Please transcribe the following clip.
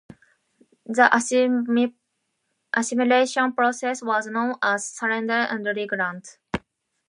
The assimilation process was known as "surrender and regrant".